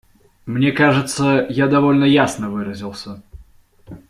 Мне кажется, я довольно ясно выразился.